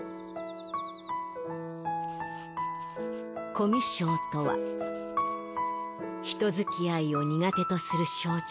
コミュ症とは人づきあいを苦手とする症状。